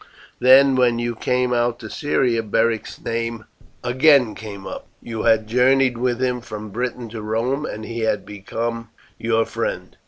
Then when you came out to Syria Beric's name again came up. You had journeyed with him from Britain to Rome, and he had become your friend.